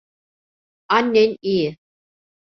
Annen iyi.